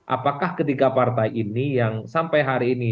apakah ketiga partai ini yang sampai hari ini